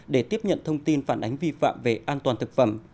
để tiếp nhận thông tin phản ánh vi phạm về an toàn thực phẩm